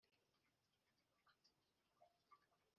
zikarangirira aho gusa,